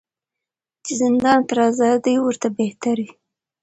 چي زندان تر آزادۍ ورته بهتر وي